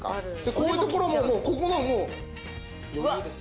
こういうところももうここのもう余裕です。